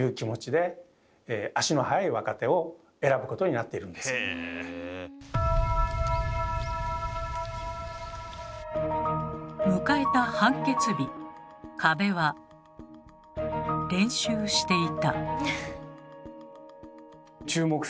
それでも迎えた判決日加部は練習していた。